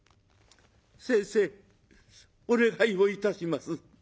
「先生お願いをいたします。